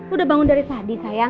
udah bangun dari tadi saya